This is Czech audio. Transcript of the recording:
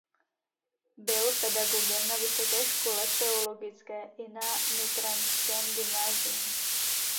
Byl pedagogem na Vysoké škole teologické i na nitranském gymnáziu.